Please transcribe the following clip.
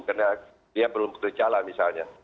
karena dia belum berkejalan misalnya